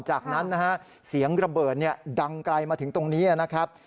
จากนั้นนะฮะเสียงระเบิดดังไกลมาถึงตรงนี้นะครับ